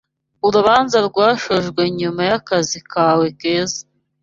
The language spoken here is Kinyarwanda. Urubanza rwashojwe nyuma yakazi kawe keza